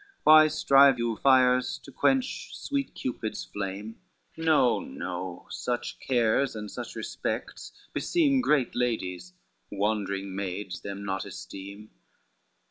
Why strive you fires to quench, sweet Cupid's flame? No, no, such cares, and such respects beseem Great ladies, wandering maids them naught esteem.